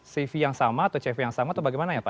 cv yang sama atau cv yang sama atau bagaimana ya pak